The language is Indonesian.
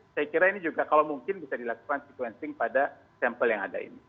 saya kira ini juga kalau mungkin bisa dilakukan sequencing pada sampel yang ada ini